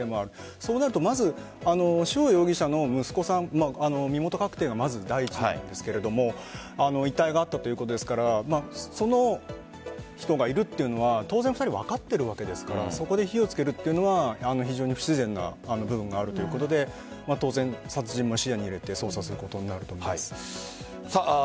そうなるとまず、志保容疑者の息子さん身元確定がまず第一ですが遺体があったということですからその人がいるというのは当然、２人は分かっているわけですからそこで火をつけるというのは非常に不自然な部分があるということで当然、殺人も視野に入れて捜査することになると思います。